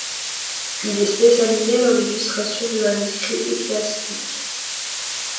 Il s'est spécialisé dans l'illustration de manuscrits ecclésiastiques.